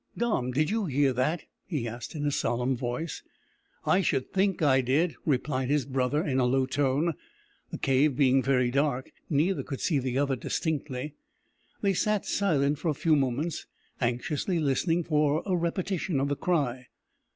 "Dom, did you hear that?" he asked in a solemn voice. "I should think I did," replied his brother in a low tone. The cave being very dark, neither could see the other distinctly. They sat silent for a few moments, anxiously listening for a repetition of the cry.